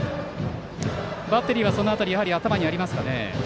バッテリーはその辺り頭にあるでしょうか。